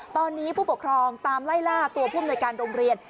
ตอนนี้ผู้ปกครองตามไล่ล่าตัวผู้อำนวยการโรงเรียน